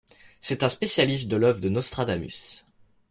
C'est un spécialiste de l'œuvre de Nostradamus.